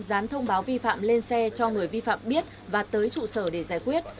gián thông báo vi phạm lên xe cho người vi phạm biết và tới trụ sở để giải quyết